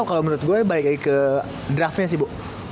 kalo menurut gua baik lagi ke draftnya sih bu